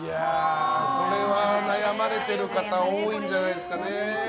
これは悩まれてる方多いんじゃないですかね。